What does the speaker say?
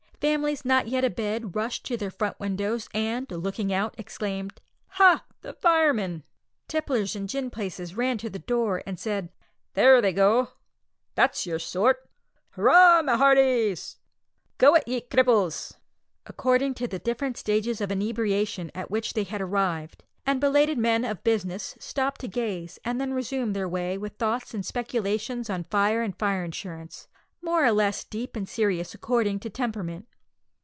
Families not yet abed rushed to their front windows, and, looking out, exclaimed, "Ha! the firemen." Tipplers in gin palaces ran to the doors and said, "There they go", "That's your sort", "Hurrah, my hearties!" or, "Go it, ye cripples!" according to the different stages of inebriation at which they had arrived; and belated men of business stopped to gaze, and then resumed their way with thoughts and speculations on fire and fire insurance, more or less deep and serious according to temperament.